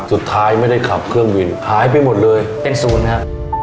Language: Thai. สุดท้ายไม่ได้ขับเครื่องบินหายไปหมดเลยเป็นศูนย์ฮะ